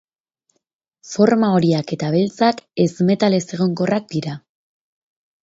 Forma horiak eta beltzak ez-metal ezegonkorrak dira.